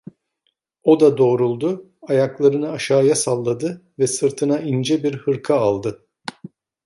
O da doğruldu, ayaklarını aşağıya salladı ve sırtına ince bir hırka aldı.